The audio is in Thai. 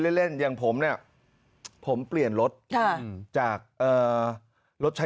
๒๕ถ้าคิดเป็นเปอร์เซ็นต์นะ